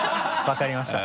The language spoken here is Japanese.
分かりました。